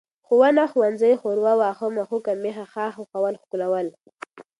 ښوونه، ښوونځی، ښوروا، واښه، مښوکه، مېښه، ښاخ، ښخول، ښکلول